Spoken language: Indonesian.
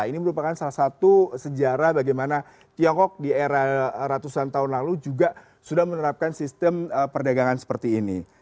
ini merupakan salah satu sejarah bagaimana tiongkok di era ratusan tahun lalu juga sudah menerapkan sistem perdagangan seperti ini